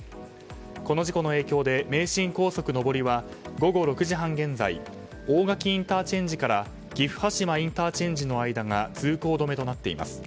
この事故の影響で名神高速上りは午後６時半現在、大垣ＩＣから岐阜羽島ＩＣの間が通行止めとなっています。